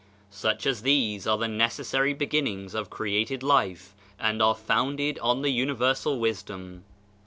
Such as these are the necessary beginnings of cre ated life and are founded on the Universal Wis dom.